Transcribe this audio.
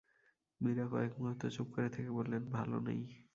মীরা কয়েক মুহূর্ত চুপ করে থেকে বললেন, ভালো নেই।